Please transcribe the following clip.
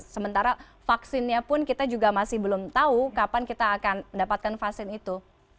sementara vaksinnya pun kita juga masih belum tahu kapan kita akan mendapatkan vaksin itu